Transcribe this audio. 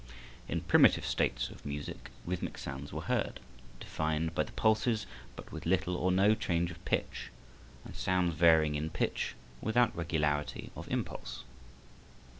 In primitive states of music rhythmic sounds were heard, defined by the pulses but with little or no change of pitch, and sounds varying in pitch without regularity of impulse.